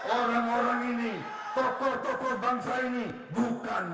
orang orang ini tokoh tokoh bangsa ini bukan